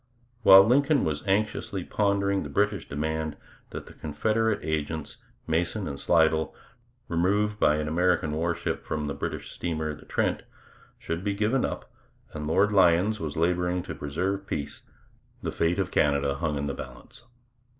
While Lincoln was anxiously pondering the British demand that the Confederate agents, Mason and Slidell, removed by an American warship from the British steamer the Trent, should be given up, and Lord Lyons was labouring to preserve peace, the fate of Canada hung in the balance.